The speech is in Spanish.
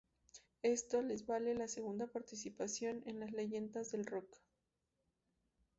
Esto les vale la segunda participación en el leyendas del rock.